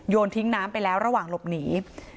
ทิ้งน้ำไปแล้วระหว่างหลบหนี